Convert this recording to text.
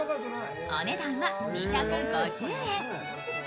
お値段は２５０円。